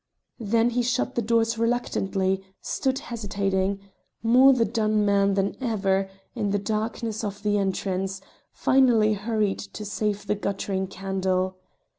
Then he shut the doors reluctantly, stood hesitating more the done man than ever in the darkness of the entrance, finally hurried to save the guttering candle.